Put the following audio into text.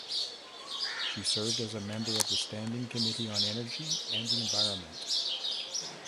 She served as a member of the Standing Committee on Energy and the Environment.